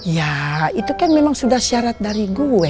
ya itu kan memang sudah syarat dari gue